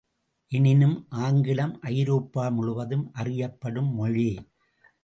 எனினும் ஆங்கிலம் ஐரோப்பா முழுவதும் அறியப்படும் மொழி.